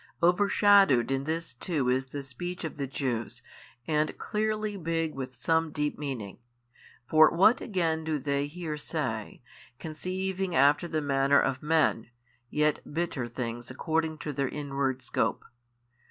Overshadowed in this too is the speech of the Jews and clearly big with some deep meaning: for what again do they here say, conceiving after the manner of men, yet bitter things according to their inward scope?